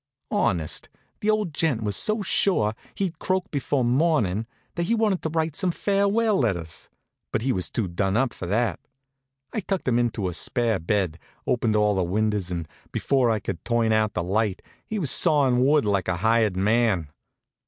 Honest, the old gent was so sure he'd croak before mornin' that he wanted to write some farewell letters, but he was too done up for that. I tucked him into a spare bed, opened all the windows, and before I could turn out the light he was sawin' wood like a hired man.